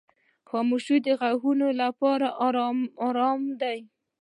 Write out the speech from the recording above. خاموشي د غوږو لپاره آرام دی.